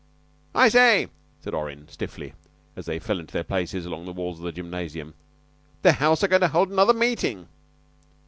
"I say," said Orrin, stiffly, as they fell into their places along the walls of the gymnasium. "The house are goin' to hold another meeting."